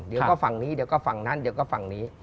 เดี๋ยวก็ฝั่งนี้เดี๋ยวก็ฝั่งนั้นเดี๋ยวก็ฝั่งนี้